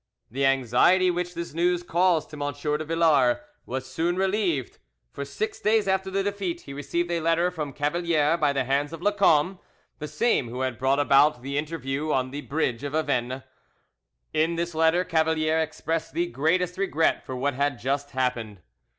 The anxiety which this news caused to M. de Villars was soon relieved; for six days after the defeat he received a letter from Cavalier by the hands of Lacombe, the same who had brought about the interview on the bridge of Avenes. In this letter Cavalier expressed the greatest regret for what had just happened.